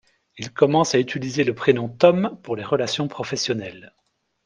Il commence à utiliser le prénom Tom pour les relations professionnelles.